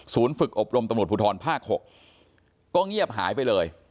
ฝึกอบรมตำรวจภูทรภาค๖ก็เงียบหายไปเลย